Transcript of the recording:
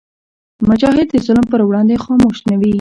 مجاهد د ظلم پر وړاندې خاموش نه وي.